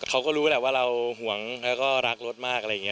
เขาก็รู้แหละว่าเราห่วงแล้วก็รักรถมากอะไรอย่างนี้